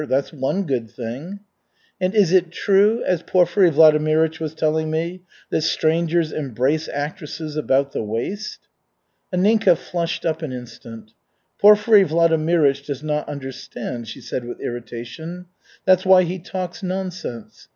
That's one good thing." "And is it true, as Porfiry Vladimirych was telling me, that strangers embrace actresses about the waist?" Anninka flushed up an instant. "Porfiry Vladimirych does not understand," she said with irritation. "That's why he talks nonsense.